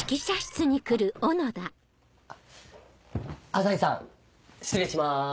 朝陽さん失礼します。